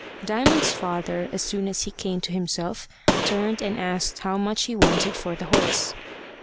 Diamond's father, as soon as he came to himself, turned and asked how much he wanted for the horse.